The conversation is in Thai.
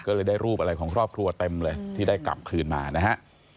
ก็เลยได้รูปอะไรของครอบครัวเต็มเลยที่ได้กลับคืนมานะฮะ